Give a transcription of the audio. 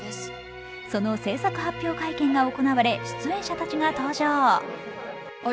その制作発表会見が行われ出演者たちが登場。